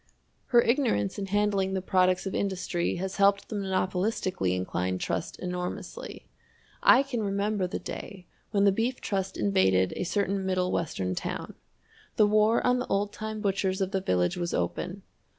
Her ignorance in handling the products of industry has helped the monopolistically inclined trust enormously. I can remember the day when the Beef Trust invaded a certain Middle Western town. The war on the old time butchers of the village was open.